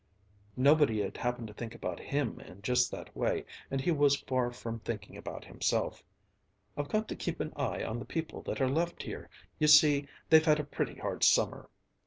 Nobody had happened to think about him in just that way, and he was far from thinking about himself. "I've got to keep an eye on the people that are left here; you see they've had a pretty hard summer."